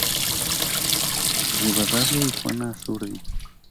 Rivadavia y Juana Azurduy